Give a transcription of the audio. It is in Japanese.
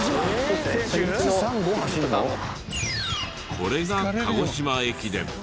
これが鹿児島駅伝。